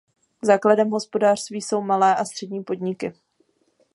Základem hospodářství jsou malé a střední podniky.